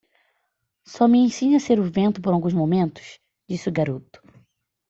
"Só me ensine a ser o vento por alguns momentos?", disse o garoto.